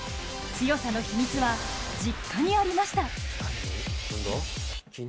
強さの秘密は実家にありました。